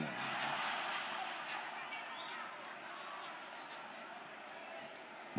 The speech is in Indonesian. saudara prof dr iksanudin nursi